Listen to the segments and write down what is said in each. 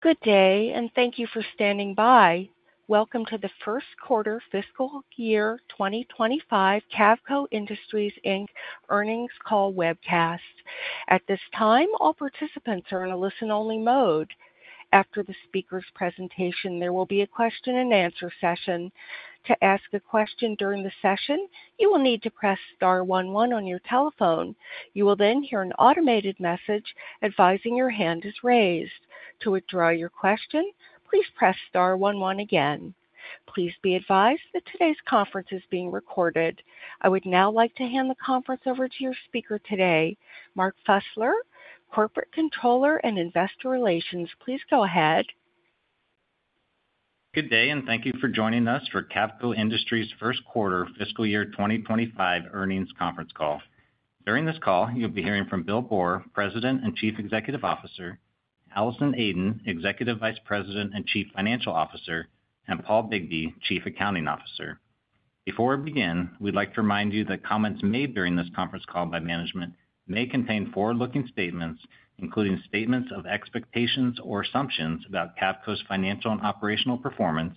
Good day, and thank you for standing by. Welcome to the First Quarter fiscal year 2025, Cavco Industries Inc. earnings call webcast. At this time, all participants are in a listen-only mode. After the speaker's presentation, there will be a question-and-answer session. To ask a question during the session, you will need to press star one one on your telephone. You will then hear an automated message advising your hand is raised. To withdraw your question, please press star one one again. Please be advised that today's conference is being recorded. I would now like to hand the conference over to your speaker today, Mark Fusler, Corporate Controller and Investor Relations. Please go ahead. Good day, and thank you for joining us for Cavco Industries' First Quarter fiscal year 2025 earnings conference call. During this call, you'll be hearing from Bill Boor, President and Chief Executive Officer, Allison Aden, Executive Vice President and Chief Financial Officer, and Paul Bigbee, Chief Accounting Officer. Before we begin, we'd like to remind you that comments made during this conference call by management may contain forward-looking statements, including statements of expectations or assumptions about Cavco's financial and operational performance,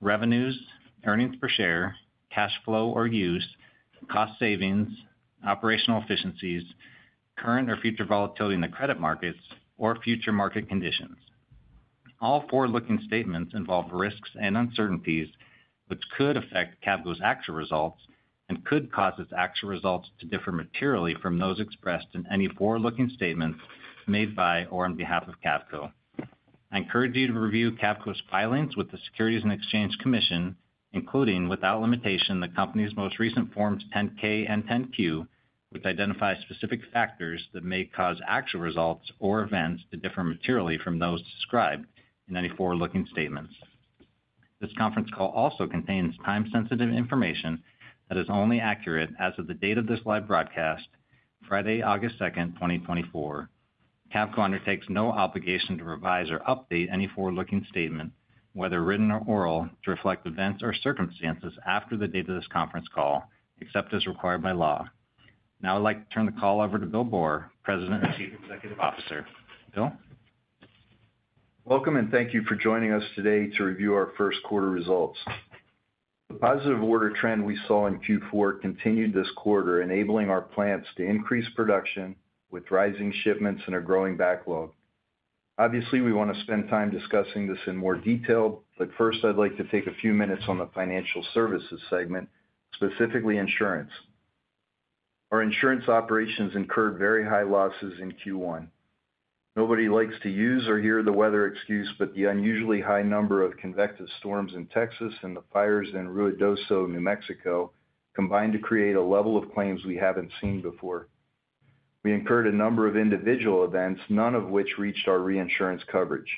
revenues, earnings per share, cash flow or use, cost savings, operational efficiencies, current or future volatility in the credit markets, or future market conditions. All forward-looking statements involve risks and uncertainties, which could affect Cavco's actual results and could cause its actual results to differ materially from those expressed in any forward-looking statements made by or on behalf of Cavco. I encourage you to review Cavco's filings with the Securities and Exchange Commission, including, without limitation, the company's most recent Forms 10-K and 10-Q, which identify specific factors that may cause actual results or events to differ materially from those described in any forward-looking statements. This conference call also contains time-sensitive information that is only accurate as of the date of this live broadcast, Friday, August 2, 2024. Cavco undertakes no obligation to revise or update any forward-looking statement, whether written or oral, to reflect events or circumstances after the date of this conference call, except as required by law. Now I'd like to turn the call over to Bill Boor, President and Chief Executive Officer. Bill? Welcome, and thank you for joining us today to review our first quarter results. The positive order trend we saw in Q4 continued this quarter, enabling our plants to increase production with rising shipments and a growing backlog. Obviously, we want to spend time discussing this in more detail, but first, I'd like to take a few minutes on the Financial Services segment, specifically Insurance. Our Insurance operations incurred very high losses in Q1. Nobody likes to use or hear the weather excuse, but the unusually high number of convective storms in Texas and the fires in Ruidoso, New Mexico, combined to create a level of claims we haven't seen before. We incurred a number of individual events, none of which reached our reinsurance coverage.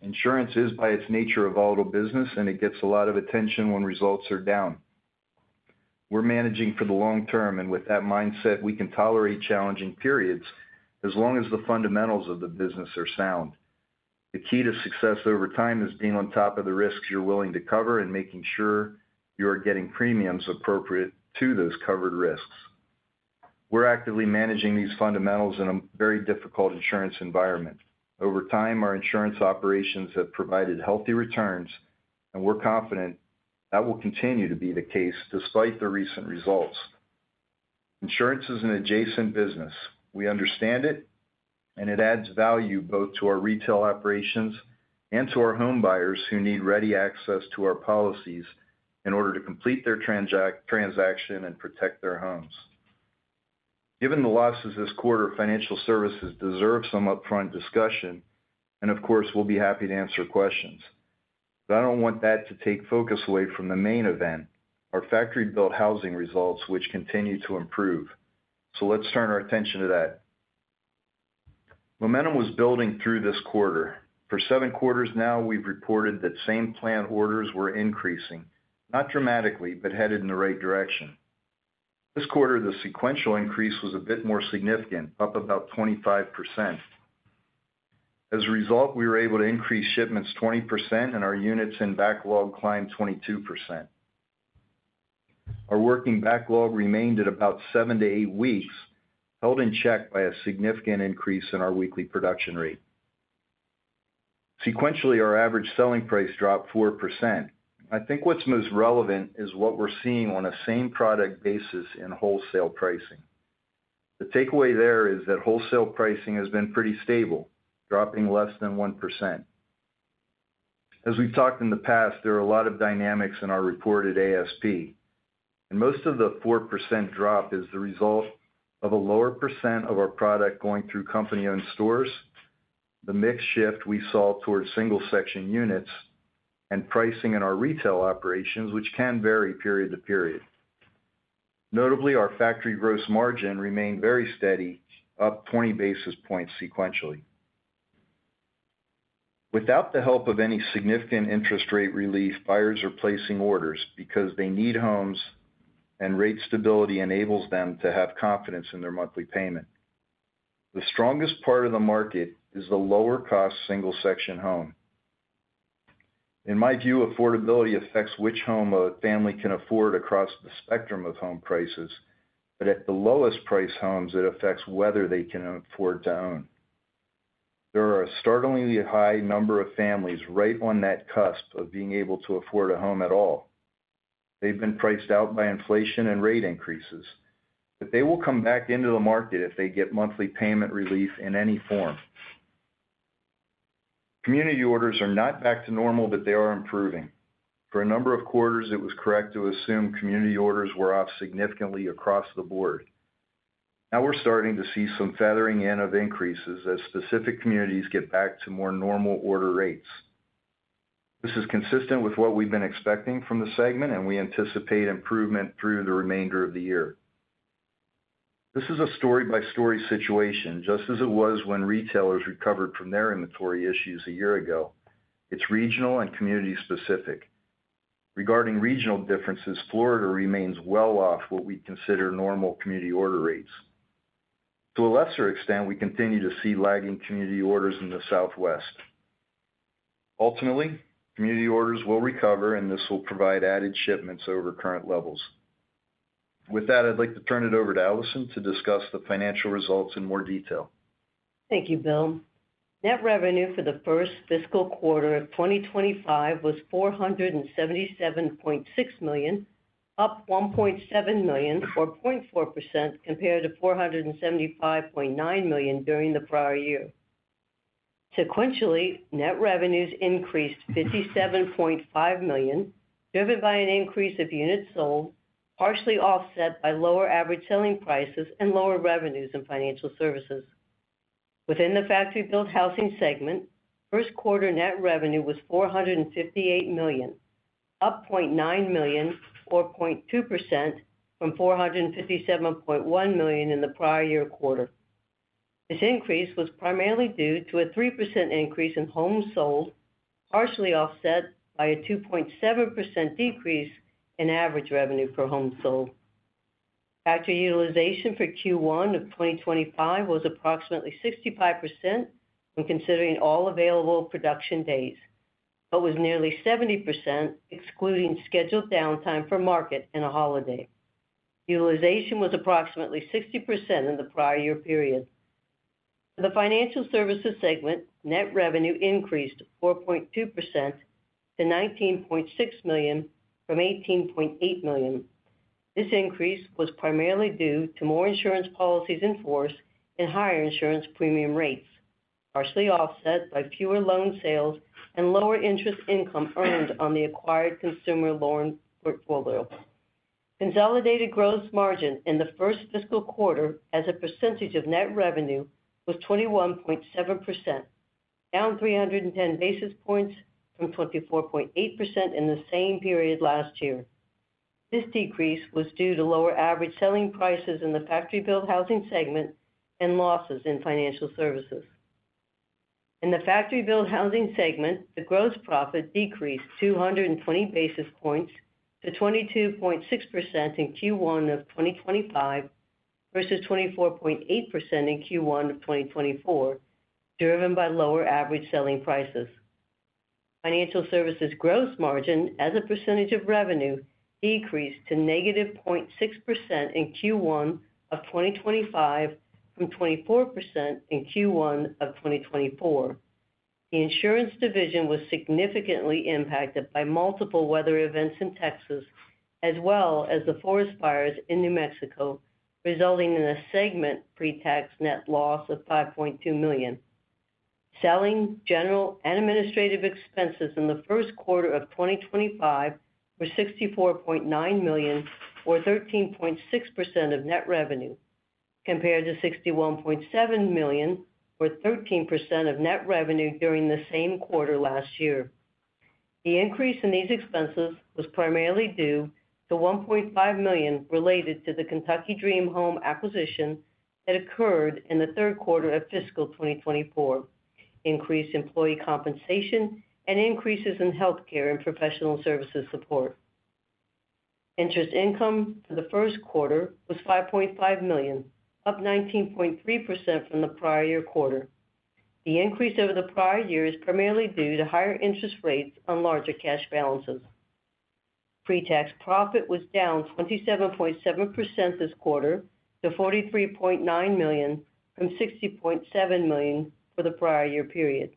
Insurance is, by its nature, a volatile business, and it gets a lot of attention when results are down. We're managing for the long term, and with that mindset, we can tolerate challenging periods as long as the fundamentals of the business are sound. The key to success over time is being on top of the risks you're willing to cover and making sure you are getting premiums appropriate to those covered risks. We're actively managing these fundamentals in a very difficult insurance environment. Over time, our insurance operations have provided healthy returns, and we're confident that will continue to be the case despite the recent results. Insurance is an adjacent business. We understand it, and it adds value both to our retail operations and to our home buyers who need ready access to our policies in order to complete their transaction and protect their homes. Given the losses this quarter, financial services deserve some upfront discussion, and of course, we'll be happy to answer questions. I don't want that to take focus away from the main event, our factory-built housing results, which continue to improve. Let's turn our attention to that. Momentum was building through this quarter. For 7 quarters now, we've reported that same plant orders were increasing, not dramatically, but headed in the right direction. This quarter, the sequential increase was a bit more significant, up about 25%. As a result, we were able to increase shipments 20%, and our units in backlog climbed 22%. Our working backlog remained at about 7weeks-8 weeks, held in check by a significant increase in our weekly production rate. Sequentially, our average selling price dropped 4%. I think what's most relevant is what we're seeing on a same-product basis in wholesale pricing. The takeaway there is that wholesale pricing has been pretty stable, dropping less than 1%. As we've talked in the past, there are a lot of dynamics in our reported ASP, and most of the 4% drop is the result of a lower percent of our product going through company-owned stores, the mix shift we saw towards single-section units, and pricing in our retail operations, which can vary period to period. Notably, our factory gross margin remained very steady, up 20 basis points sequentially. Without the help of any significant interest rate relief, buyers are placing orders because they need homes, and rate stability enables them to have confidence in their monthly payment. The strongest part of the market is the lower-cost single-section home. In my view, affordability affects which home a family can afford across the spectrum of home prices, but at the lowest price homes, it affects whether they can afford to own. There are a startlingly high number of families right on that cusp of being able to afford a home at all. They've been priced out by inflation and rate increases, but they will come back into the market if they get monthly payment relief in any form. Community orders are not back to normal, but they are improving. For a number of quarters, it was correct to assume community orders were off significantly across the board. Now we're starting to see some feathering in of increases as specific communities get back to more normal order rates. This is consistent with what we've been expecting from the segment, and we anticipate improvement through the remainder of the year. This is a story-by-story situation, just as it was when retailers recovered from their inventory issues a year ago. It's regional and community-specific. Regarding regional differences, Florida remains well off what we consider normal community order rates. To a lesser extent, we continue to see lagging community orders in the Southwest. Ultimately, community orders will recover, and this will provide added shipments over current levels. With that, I'd like to turn it over to Allison to discuss the financial results in more detail. Thank you, Bill. Net revenue for the first fiscal quarter of 2025 was $477.6 million, up $1.7 million, or 0.4%, compared to $475.9 million during the prior year. Sequentially, net revenues increased $57.5 million, driven by an increase of units sold, partially offset by lower average selling prices and lower revenues in financial services. Within the factory-built housing segment, first quarter net revenue was $458 million, up $0.9 million, or 0.2%, from $457.1 million in the prior year quarter. This increase was primarily due to a 3% increase in homes sold, partially offset by a 2.7% decrease in average revenue per home sold. Factory utilization for Q1 of 2025 was approximately 65% when considering all available production days, but was nearly 70%, excluding scheduled downtime for market and a holiday. Utilization was approximately 60% in the prior year period. For the financial services segment, net revenue increased 4.2% to $19.6 million from $18.8 million. This increase was primarily due to more insurance policies in force and higher insurance premium rates, partially offset by fewer loan sales and lower interest income earned on the acquired consumer loan portfolio. Consolidated gross margin in the first fiscal quarter as a percentage of net revenue was 21.7%, down 310 basis points from 24.8% in the same period last year. This decrease was due to lower average selling prices in the factory-built housing segment and losses in financial services. In the factory-built housing segment, the gross profit decreased 200 basis points to 22.6% in Q1 of 2025, versus 24.8% in Q1 of 2024, driven by lower average selling prices. Financial services gross margin, as a percentage of revenue, decreased to -0.6% in Q1 of 2025 from 24% in Q1 of 2024. The insurance division was significantly impacted by multiple weather events in Texas, as well as the forest fires in New Mexico, resulting in a segment pre-tax net loss of $5.2 million. Selling, general, and administrative expenses in the first quarter of 2025 were $64.9 million, or 13.6% of net revenue, compared to $61.7 million, or 13% of net revenue during the same quarter last year. The increase in these expenses was primarily due to $1.5 million related to the Kentucky Dream Homes acquisition that occurred in the third quarter of fiscal 2024, increased employee compensation, and increases in healthcare and professional services support. Interest income for the first quarter was $5.5 million, up 19.3% from the prior year quarter. The increase over the prior year is primarily due to higher interest rates on larger cash balances. Pre-tax profit was down 27.7% this quarter to $43.9 million from $60.7 million for the prior year period.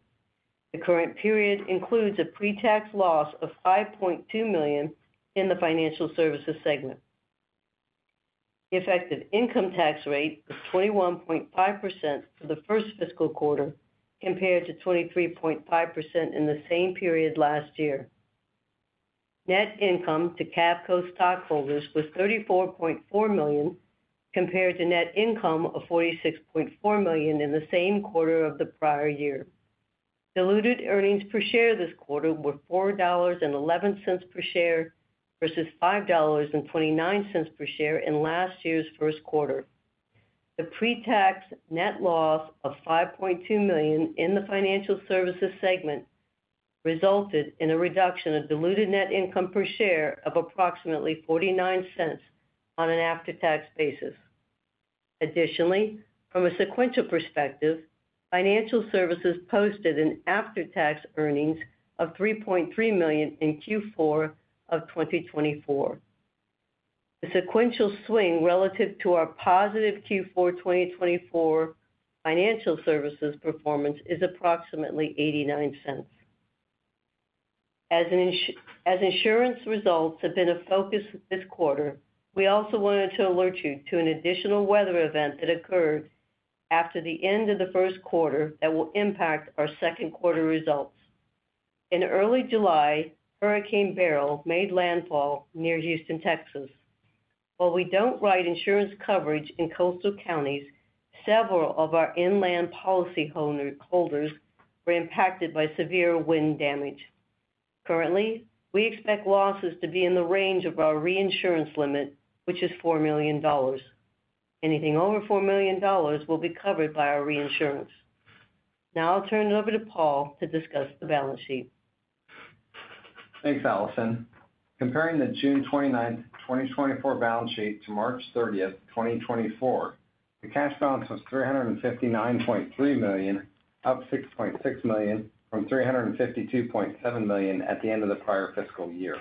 The current period includes a pre-tax loss of $5.2 million in the financial services segment. The effective income tax rate was 21.5% for the first fiscal quarter, compared to 23.5% in the same period last year. Net income to Cavco stockholders was $34.4 million, compared to net income of $46.4 million in the same quarter of the prior year. Diluted earnings per share this quarter were $4.11 per share, versus $5.29 per share in last year's first quarter. The pre-tax net loss of $5.2 million in the financial services segment resulted in a reduction of diluted net income per share of approximately $0.49 on an after-tax basis. Additionally, from a sequential perspective, financial services posted an after-tax earnings of $3.3 million in Q4 of 2024. The sequential swing relative to our positive Q4 2024 financial services performance is approximately $0.89. As insurance results have been a focus this quarter, we also wanted to alert you to an additional weather event that occurred after the end of the first quarter that will impact our second quarter results. In early July, Hurricane Beryl made landfall near Houston, Texas. While we don't write insurance coverage in coastal counties, several of our inland policyholders were impacted by severe wind damage. Currently, we expect losses to be in the range of our reinsurance limit, which is $4 million. Anything over $4 million will be covered by our reinsurance. Now I'll turn it over to Paul to discuss the balance sheet. Thanks, Allison. Comparing the June 29th, 2024 balance sheet to March 30th, 2024, the cash balance was $359.3 million, up $6.6 million from $352.7 million at the end of the prior fiscal year.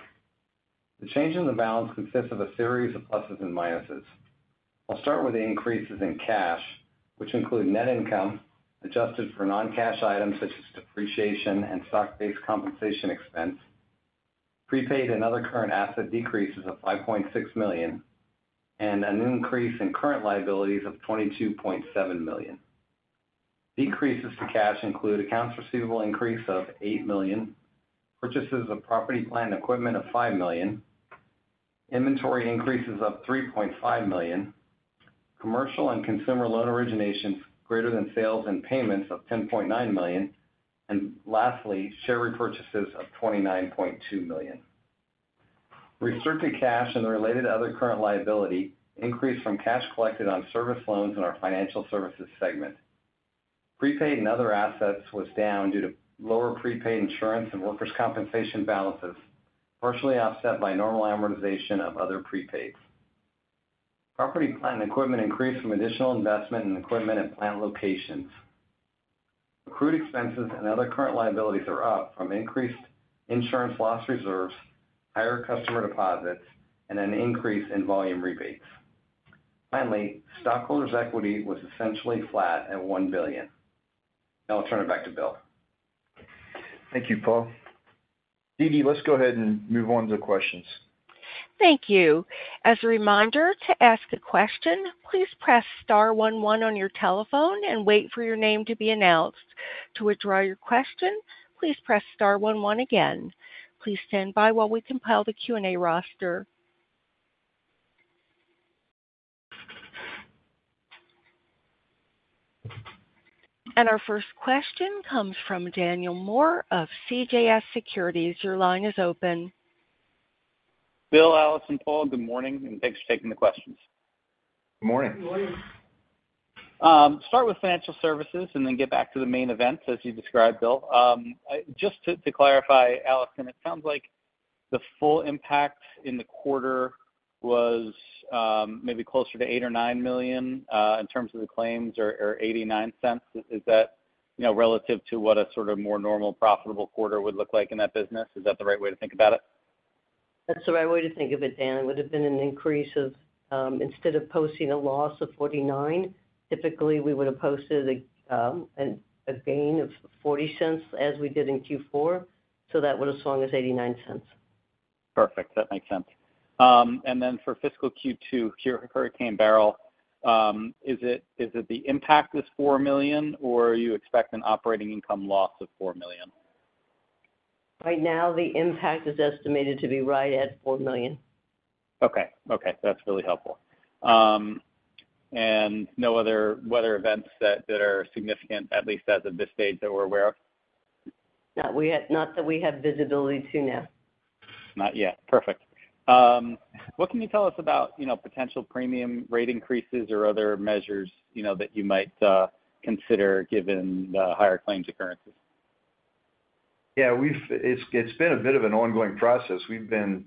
The change in the balance consists of a series of pluses and minuses. I'll start with the increases in cash, which include net income, adjusted for non-cash items such as depreciation and stock-based compensation expense, prepaid and other current asset decreases of $5.6 million, and an increase in current liabilities of $22.7 million. Decreases to cash include accounts receivable increase of $8 million, purchases of property, plant, and equipment of $5 million, inventory increases of $3.5 million, commercial and consumer loan originations greater than sales and payments of $10.9 million, and lastly, share repurchases of $29.2 million. Restricted cash and the related other current liability increased from cash collected on service loans in our financial services segment. Prepaid and other assets was down due to lower prepaid insurance and workers' compensation balances, partially offset by normal amortization of other prepaids. Property, plant, and equipment increased from additional investment in equipment and plant locations. Accrued expenses and other current liabilities are up from increased insurance loss reserves, higher customer deposits, and an increase in volume rebates. Finally, stockholders' equity was essentially flat at $1 billion. Now I'll turn it back to Bill. Thank you, Paul. Didi, let's go ahead and move on to the questions. Thank you. As a reminder, to ask a question, please press star one one on your telephone and wait for your name to be announced. To withdraw your question, please press star one one again. Please stand by while we compile the Q&A roster. Our first question comes from Daniel Moore of CJS Securities. Your line is open. Bill, Allison, Paul, good morning, and thanks for taking the questions. Good morning. Good morning. Start with financial services and then get back to the main events as you described, Bill. Just to clarify, Allison, it sounds like the full impact in the quarter was maybe closer to $8 million-$9 million in terms of the claims or $0.89. Is that, you know, relative to what a sort of more normal, profitable quarter would look like in that business? Is that the right way to think about it? That's the right way to think of it, Dan. It would have been an increase of, instead of posting a loss of $0.49, typically, we would have posted a gain of $0.40 as we did in Q4, so that would have swung as $0.89. Perfect. That makes sense. Then for fiscal Q2, Hurricane Beryl, is it the impact is $4 million, or you expect an operating income loss of $4 million? Right now, the impact is estimated to be right at $4 million. Okay. Okay, that's really helpful. No other weather events that are significant, at least as of this date, that we're aware of? Not that we have visibility to now. Not yet. Perfect. What can you tell us about, you know, potential premium rate increases or other measures, that you might consider given the higher claims occurrences? Yeah, it's been a bit of an ongoing process. We've been,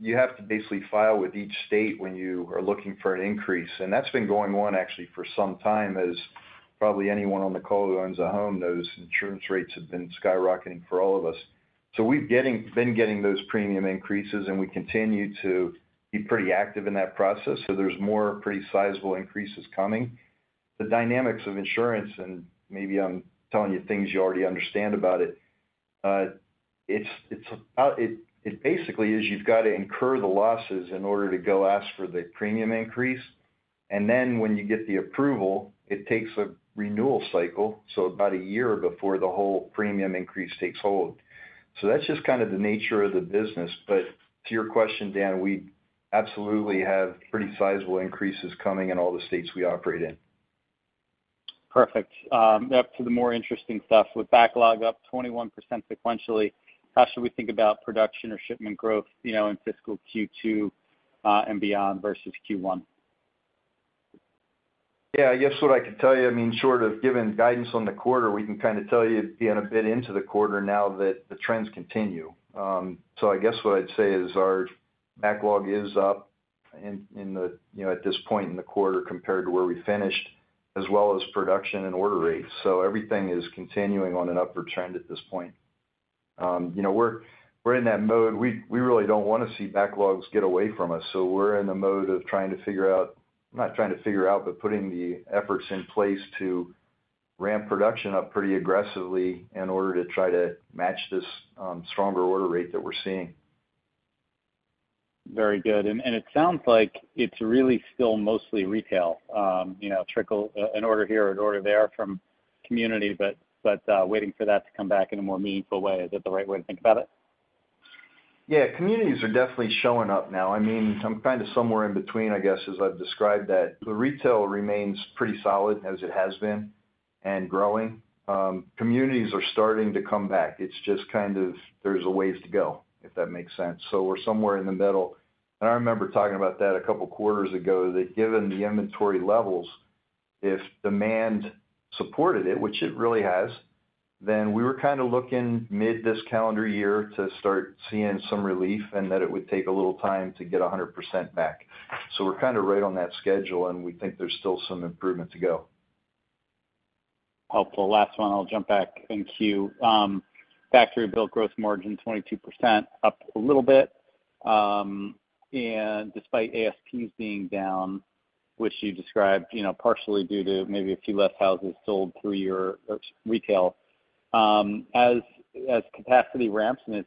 you have to basically file with each state when you are looking for an increase, and that's been going on actually for some time, as probably anyone on the call who owns a home knows, insurance rates have been skyrocketing for all of us. We've been getting those premium increases, and we continue to be pretty active in that process, so there's more pretty sizable increases coming. The dynamics of insurance, and maybe I'm telling you things you already understand about it, it's basically you've got to incur the losses in order to go ask for the premium increase. Then when you get the approval, it takes a renewal cycle, so about a year before the whole premium increase takes hold. That's just kind of the nature of the business. To your question, Dan, we absolutely have pretty sizable increases coming in all the states we operate in. Perfect. Now to the more interesting stuff. With backlog up 21 sequentially, how should we think about production or shipment growth, in fiscal Q2, and beyond versus Q1? Yeah, I guess what I could tell you, I mean, short of giving guidance on the quarter, we can kind of tell you, being a bit into the quarter now, that the trends continue. I guess what I'd say is our backlog is up in the, at this point in the quarter compared to where we finished, as well as production and order rates. Everything is continuing on an upward trend at this point. We're in that mode. We really don't want to see backlogs get away from us, so we're in the mode of trying to figure out, not trying to figure out, but putting the efforts in place to ramp production up pretty aggressively in order to try to match this stronger order rate that we're seeing. Very good. It sounds like it's really still mostly retail. You know, trickle, an order here, an order there from community, but waiting for that to come back in a more meaningful way. Is that the right way to think about it? Yeah, communities are definitely showing up now. 'm kind of somewhere in between, I guess, as I've described that. The retail remains pretty solid as it has been, and growing. Communities are starting to come back. It's just kind of, there's a ways to go, if that makes sense. We're somewhere in the middle. I remember talking about that a couple of quarters ago, that given the inventory levels, if demand supported it, which it really has, then we were kind of looking mid this calendar year to start seeing some relief, and that it would take a little time to get a hundred percent back. We're kind of right on that schedule, and we think there's still some improvement to go. Helpful. Last one, I'll jump back. Thank you. Factory-built gross margin, 22%, up a little bit, and despite ASPs being down, which you described, partially due to maybe a few less houses sold through your retail. As capacity ramps and as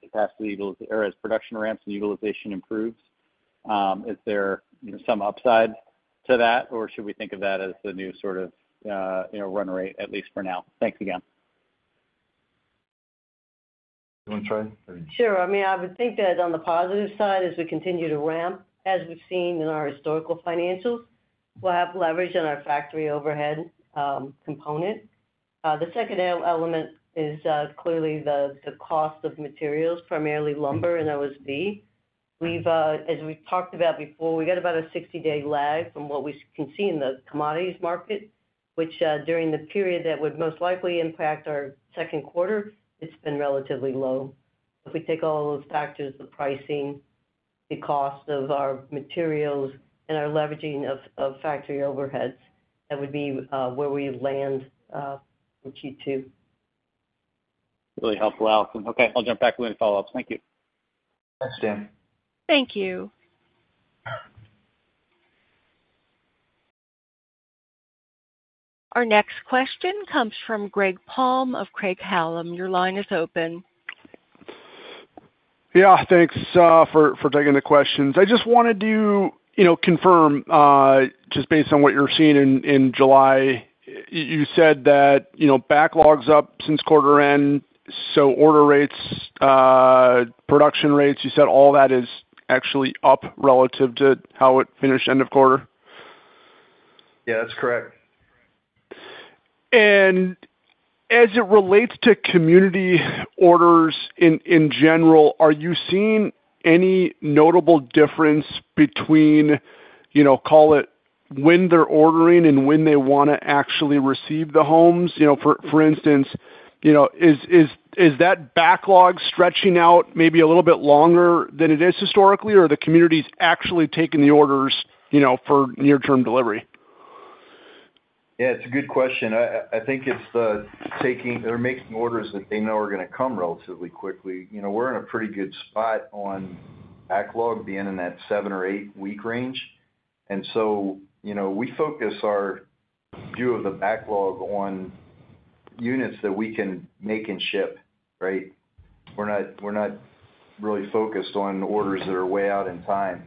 production ramps and utilization improves, is there, some upside to that, or should we think of that as the new sort of, run rate, at least for now? Thanks again. You want to try? Sure. I would think that on the positive side, as we continue to ramp, as we've seen in our historical financials, we'll have leverage on our factory overhead component. The second element is clearly the cost of materials, primarily lumber and OSB. We've, as we've talked about before, we've got about a 60-day lag from what we can see in the commodities market, which, during the period that would most likely impact our second quarter, it's been relatively low. If we take all those factors, the pricing, the cost of our materials, and our leveraging of factory overheads, that would be where we land in Q2. Really helpful, Allison. Okay, I'll jump back with any follow-ups. Thank you. Thanks, Dan. Thank you. Our next question comes from Greg Palm of Craig-Hallum. Your line is open. Yeah, thanks for taking the questions. I just wanted to, you know, confirm just based on what you're seeing in July, you said that, you know, backlog's up since quarter end, so order rates, production rates, you said all that is actually up relative to how it finished end of quarter? Yeah, that's correct. As it relates to community orders in general, are you seeing any notable difference between, call it, when they're ordering and when they want to actually receive the homes? For instance, is that backlog stretching out maybe a little bit longer than it is historically, or are the communities actually taking the orders, you know, for near-term delivery? Yeah, it's a good question. I think it's the taking, they're making orders that they know are going to come relatively quickly. We're in a pretty good spot on backlog, being in that seven- or eight-week range. We focus our view of the backlog on units that we can make and ship, right? We're not really focused on orders that are way out in time.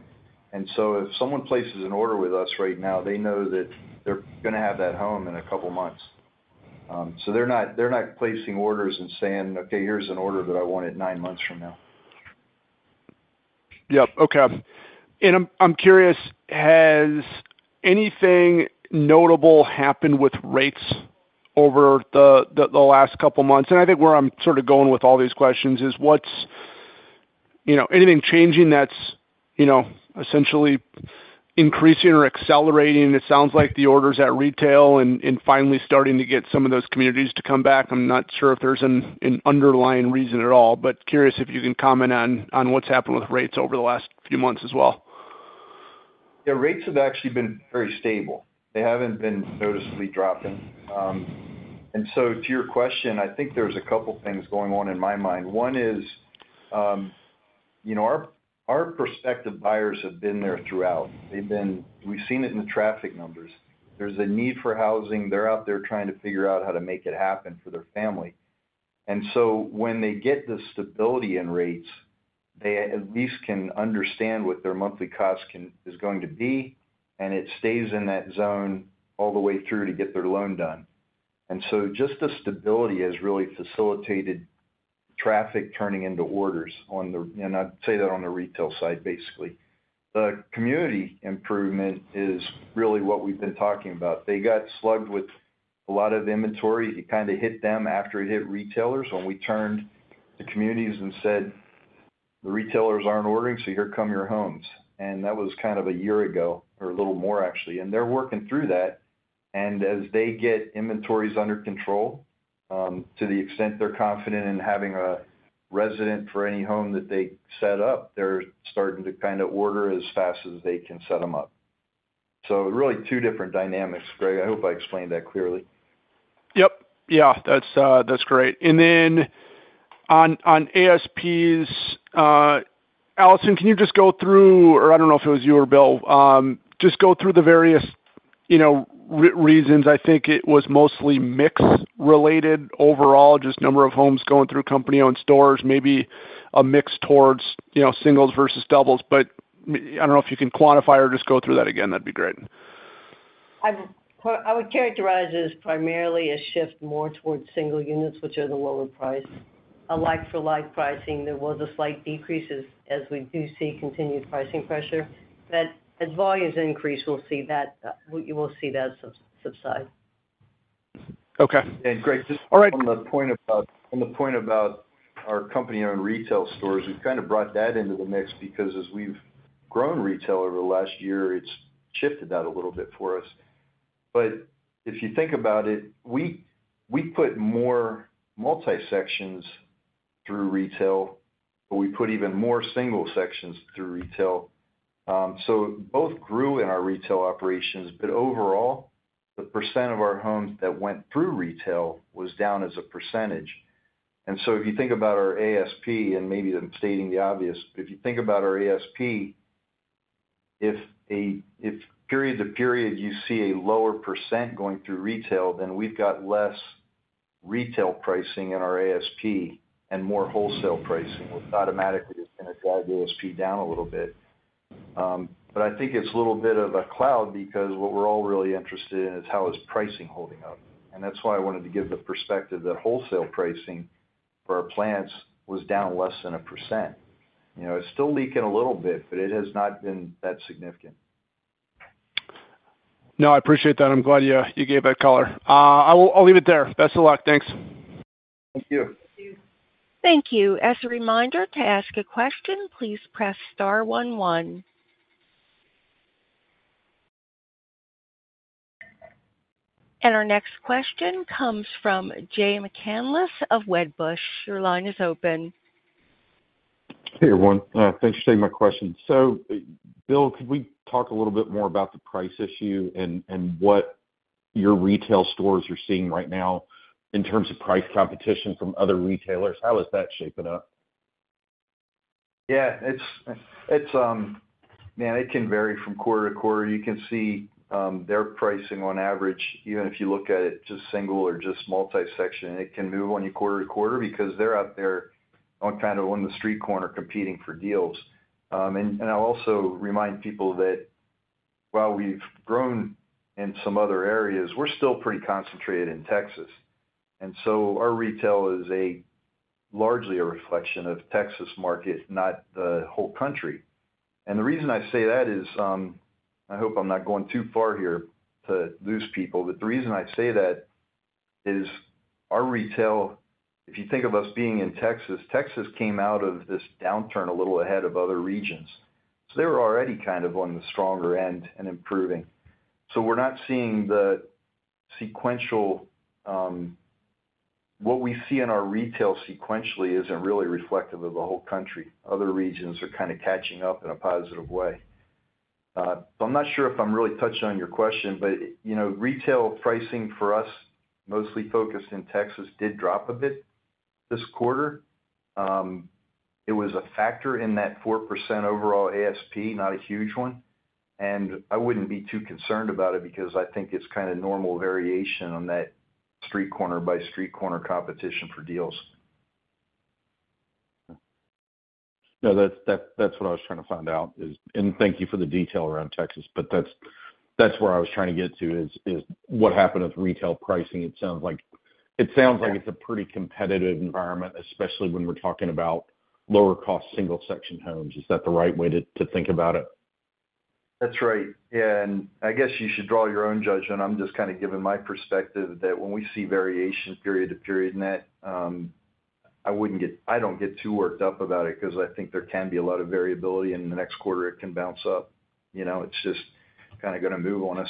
If someone places an order with us right now, they know that they're going to have that home in a couple months. They're not placing orders and saying, "Okay, here's an order that I want it nine months from now. Yep. Okay. I'm curious, has anything notable happened with rates over the last couple months? I think where I'm sort of going with all these questions is, what's anything changing that's essentially increasing or accelerating? It sounds like the orders at retail and finally starting to get some of those communities to come back. I'm not sure if there's an underlying reason at all, but curious if you can comment on what's happened with rates over the last few months as well. Yeah, rates have actually been very stable. They haven't been noticeably dropping. To your question, there's a couple things going on in my mind. One is, our prospective buyers have been there throughout. They've been. We've seen it in the traffic numbers. There's a need for housing. They're out there trying to figure out how to make it happen for their family. When they get the stability in rates, they at least can understand what their monthly cost can, is going to be, and it stays in that zone all the way through to get their loan done. Just the stability has really facilitated traffic turning into orders, I'd say that on the retail side, basically. The community improvement is really what we've been talking about. They got slugged with a lot of inventory. It kind of hit them after it hit retailers. When we turned to communities and said the retailers aren't ordering, so here come your homes. That was kind of a year ago, or a little more actually, and they're working through that. As they get inventories under control, to the extent they're confident in having a resident for any home that they set up, they're starting to kind of order as fast as they can set them up. So really two different dynamics, Greg. I hope I explained that clearly. Yep. Yeah, that's great. Then on ASPs, Allison, can you just go through, or I don't know if it was you or Bill, just go through the various, you know, reasons. It was mostly mix related overall, just number of homes going through company-owned stores, maybe a mix towards, singles versus doubles. But I don't know if you can quantify or just go through that again, that'd be great. I would characterize it as primarily a shift more towards single units, which are the lower price. A like-for-like pricing, there was a slight decrease as we do see continued pricing pressure. As volumes increase, we'll see that, we will see that subside. Okay. And Greg, just- All right. On the point about, on the point about our company-owned retail stores, we've kind of brought that into the mix because as we've grown retail over the last year, it's shifted that a little bit for us. But if you think about it, we, we put more multi-sections through retail, but we put even more single sections through retail. Both grew in our retail operations, but overall, the percent of our homes that went through retail was down as a percentage. If you think about our ASP, and maybe I'm stating the obvious, but if you think about our ASP, if period to period, you see a lower percent going through retail, then we've got less retail pricing in our ASP and more wholesale pricing, which automatically is gonna drive the ASP down a little bit. It's a little bit of a cloud because what we're all really interested in is how is pricing holding up. That's why I wanted to give the perspective that wholesale pricing for our plants was down less than 1%. You know, it's still leaking a little bit, but it has not been that significant. No, I appreciate that. I'm glad you gave that color. I'll leave it there. Best of luck. Thanks. Thank you. Thank you. Thank you. As a reminder, to ask a question, please press star one one. Our next question comes from Jay McCanless of Wedbush. Your line is open. Hey, everyone, thanks for taking my question. Bill, could we talk a little bit more about the price issue and, and what your retail stores are seeing right now in terms of price competition from other retailers? How is that shaping up? Yeah, it's man, it can vary from quarter-to-quarter. You can see, their pricing on average, even if you look at it just single-section or just multi-section, it can move on you quarter-to-quarter because they're out there on, kind of, on the street corner competing for deals. I'll also remind people that while we've grown in some other areas, we're still pretty concentrated in Texas. Our retail is largely a reflection of Texas market, not the whole country. The reason I say that is, I hope I'm not going too far here to lose people. The reason I say that is our retail, if you think of us being in Texas, Texas came out of this downturn a little ahead of other regions, so they were already kind of on the stronger end and improving. We're not seeing the sequential. What we see in our retail sequentially isn't really reflective of the whole country. Other regions are kind of catching up in a positive way. I'm not sure if I'm really touching on your question, but retail pricing for us, mostly focused in Texas, did drop a bit this quarter. It was a factor in that 4% overall ASP, not a huge one. I wouldn't be too concerned about it because I think it's kind of normal variation on that street corner by street corner competition for deals. No, that's what I was trying to find out is, and thank you for the detail around Texas, but that's where I was trying to get to is what happened with retail pricing. It sounds like it's a pretty competitive environment, especially when we're talking about lower-cost single-section homes. Is that the right way to think about it? That's right. I guess you should draw your own judgment. I'm just kind of giving my perspective that when we see variation period to period in that, I don't get too worked up about it because I think there can be a lot of variability, and in the next quarter, it can bounce up. It's just kind of gonna move on us.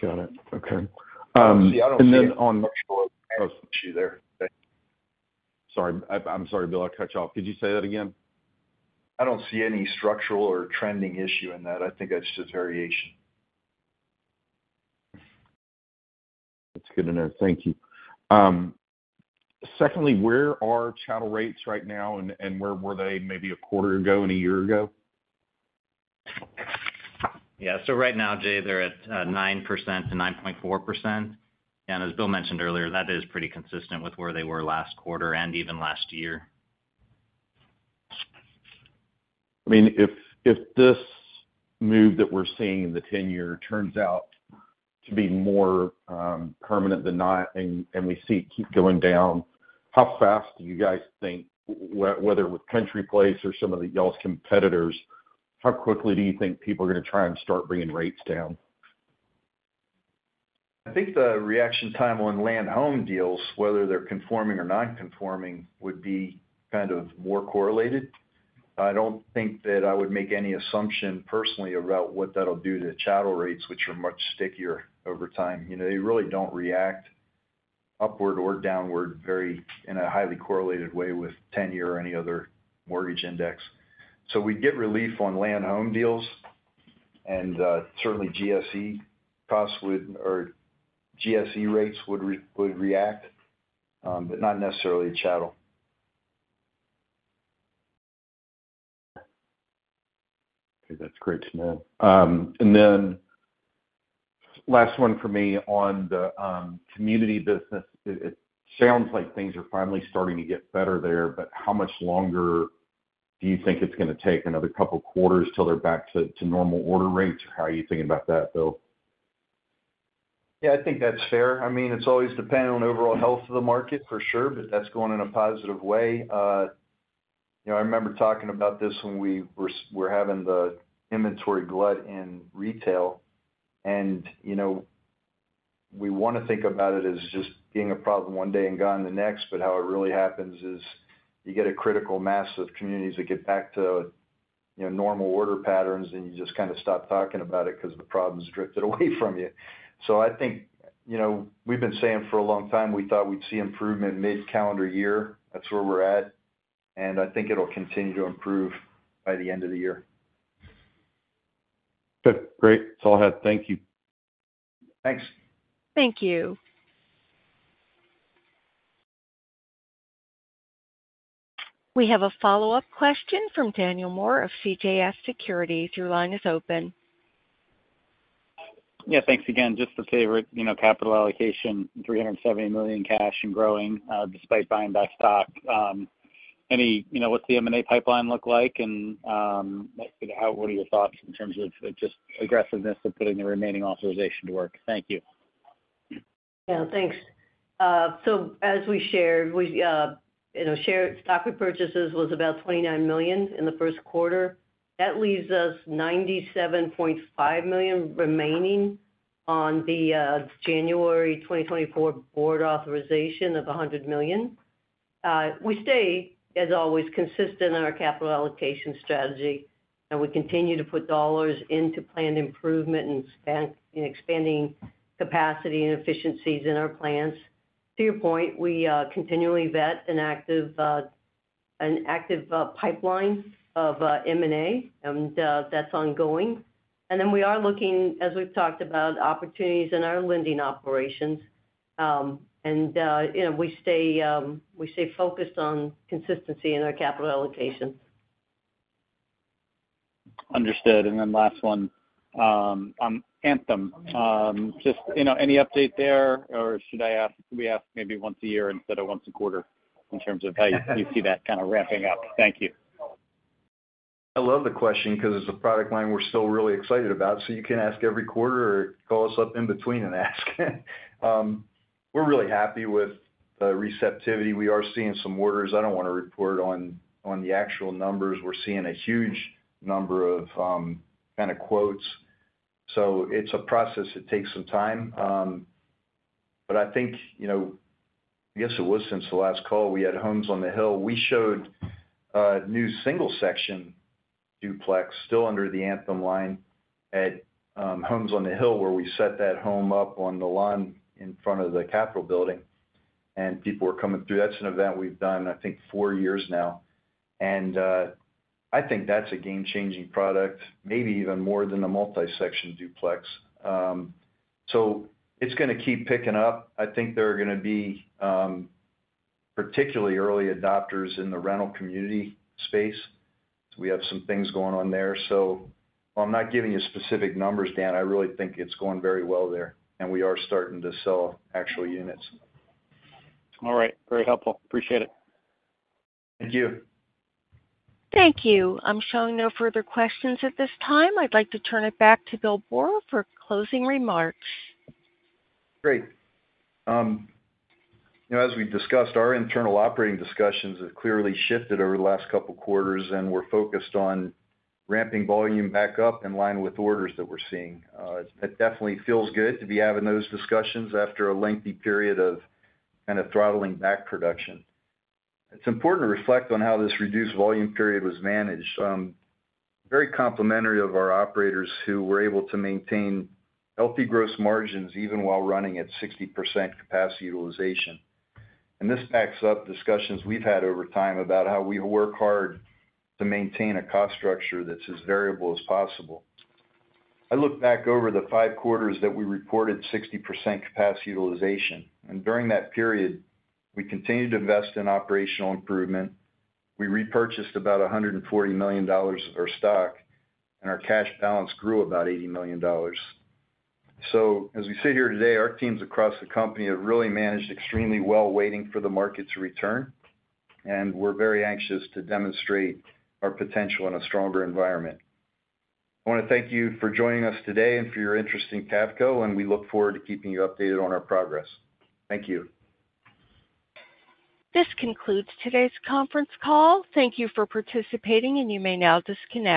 Got it. Okay, and then on- See, I don't see issue there. Sorry. I'm sorry, Bill, I cut you off. Could you say that again? I don't see any structural or trending issue in that. I think that's just variation. That's good to know. Thank you. Secondly, where are chattel rates right now, and, and where were they maybe a quarter ago and a year ago? Yeah. Right now, Jay, they're at 9%-9.4%. As Bill mentioned earlier, that is pretty consistent with where they were last quarter and even last year. I mean, if this move that we're seeing in the 10-year turns out to be more permanent than not, and we see it keep going down, how fast do you guys think, whether with CountryPlace or some of y'all's competitors, how quickly do you think people are gonna try and start bringing rates down? I think the reaction time on land-home deals, whether they're conforming or non-conforming, would be kind of more correlated. I don't think that I would make any assumption personally about what that'll do to chattel rates, which are much stickier over time. They really don't react upward or downward very in a highly correlated way with 10-year or any other mortgage index. We'd get relief on land-home deals, and certainly GSE costs would or GSE rates would react, but not necessarily chattel. Okay, that's great to know. Then last one for me on the community business. It sounds like things are finally starting to get better there, but how much longer do you think it's gonna take, another couple quarters till they're back to normal order rates? Or how are you thinking about that, Bill? Yeah, I think that's fair. It's always dependent on the overall health of the market, for sure, but that's going in a positive way. I remember talking about this when we were having the inventory glut in retail, and we want to think about it as just being a problem one day and gone the next, but how it really happens is you get a critical mass of communities that get back to normal order patterns, and you just kind of stop talking about it 'cause the problem's drifted away from you. We've been saying for a long time, we thought we'd see improvement mid-calendar year. That's where we're at, and I think it'll continue to improve by the end of the year. Good. Great. That's all I had. Thank you. Thanks. Thank you. We have a follow-up question from Daniel Moore of CJS Securities. Your line is open. Yeah, thanks again. Just a favorite, you know, capital allocation, $370 million cash and growing, despite buying back stock. What's the M&A pipeline look like? What are your thoughts in terms of just aggressiveness of putting the remaining authorization to work? Thank you. Yeah, thanks. As we shared, you know, shared stock repurchases was about $29 million in the first quarter. That leaves us $97.5 million remaining on the January 2024 board authorization of $100 million. We stay, as always, consistent in our capital allocation strategy, and we continue to put dollars into planned improvement and expand, in expanding capacity and efficiencies in our plants. To your point, we continually vet an active pipeline of M&A, and that's ongoing. Then we are looking, as we've talked about, opportunities in our lending operations. We stay focused on consistency in our capital allocation. Understood. Then last one, on Anthem. Just, you know, any update there, or should I ask, we ask maybe once a year instead of once a quarter, in terms of how you see that kind of ramping up? Thank you. I love the question because it's a product line we're still really excited about, so you can ask every quarter or call us up in between and ask. We're really happy with the receptivity. We are seeing some orders. I don't want to report on the actual numbers. We're seeing a huge number of kind of quotes, so it's a process. It takes some time. I guess it was since the last call, we had Homes on the Hill. We showed a new single-section duplex, still under the Anthem line, at Homes on the Hill, where we set that home up on the lawn in front of the Capitol building, and people were coming through. That's an event we've done, I think, four years now. That's a game-changing product, maybe even more than the multi-section duplex. It's gonna keep picking up. I think there are gonna be, particularly early adopters in the rental community space. We have some things going on there. While I'm not giving you specific numbers, Dan, I really think it's going very well there, and we are starting to sell actual units. All right. Very helpful. Appreciate it. Thank you. Thank you. I'm showing no further questions at this time. I'd like to turn it back to Bill Boor for closing remarks. Great. You know, as we've discussed, our internal operating discussions have clearly shifted over the last couple of quarters, and we're focused on ramping volume back up in line with orders that we're seeing. It definitely feels good to be having those discussions after a lengthy period of kind of throttling back production. It's important to reflect on how this reduced volume period was managed. Very complimentary of our operators, who were able to maintain healthy gross margins, even while running at 60% capacity utilization. This backs up discussions we've had over time about how we work hard to maintain a cost structure that's as variable as possible. I look back over the five quarters that we reported 60% capacity utilization, and during that period, we continued to invest in operational improvement, we repurchased about $140 million of our stock, and our cash balance grew about $80 million. As we sit here today, our teams across the company have really managed extremely well, waiting for the market to return, and we're very anxious to demonstrate our potential in a stronger environment. I want to thank you for joining us today and for your interest in Cavco, and we look forward to keeping you updated on our progress. Thank you. This concludes today's conference call. Thank you for participating, and you may now disconnect.